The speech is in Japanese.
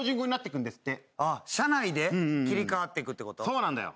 そうなんだよ。